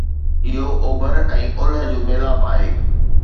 اهو اوڀر ۽ اولهه جو ميلاپ آهي